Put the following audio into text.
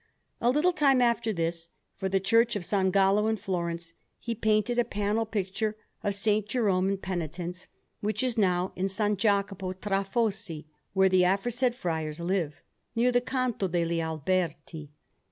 A little time after this, for the Church of S. Gallo in Florence, he painted a panel picture of S. Jerome in Penitence, which is now in S. Jacopo tra Fossi, where the aforesaid friars live, near the Canto degli Alberti.